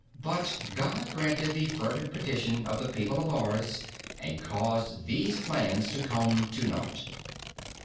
But God granted the fervent petition of the people of Ars and caused these plans to come to naught.